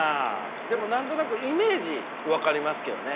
でも何となくイメージ分かりますけどね。